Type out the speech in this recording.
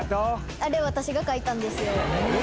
あれ私が書いたんですよ。